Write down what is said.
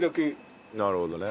なるほどね。